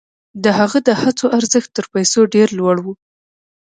د هغه د هڅو ارزښت تر پیسو ډېر لوړ و.